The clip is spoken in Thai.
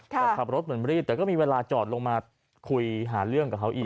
แต่ขับรถเหมือนรีบแต่ก็มีเวลาจอดลงมาคุยหาเรื่องกับเขาอีก